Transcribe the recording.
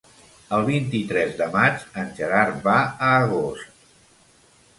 El vint-i-tres de maig en Gerard va a Agost.